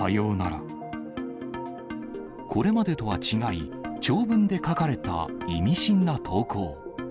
これまでとは違い、長文で書かれた意味深な投稿。